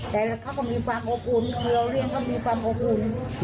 แต่เขาก็มีความอบอุ่นคือเราเรียนเขามีความอบอุ่น